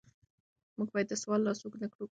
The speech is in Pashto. موږ باید د سوال لاس اوږد نکړو.